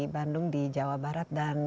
bandung di jawa barat dan